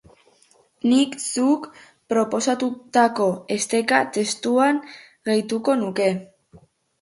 Nik zuk proposatutako esteka testuan gehituko nuke.